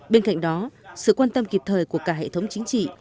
bên cạnh đó sự quan tâm kịp thời của cả hệ thống chính trị